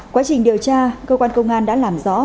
quá trình điều tra cơ quan công an đã làm rõ